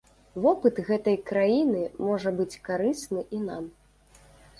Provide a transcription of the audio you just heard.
Вопыт гэтай краіны можа быць карысны і нам.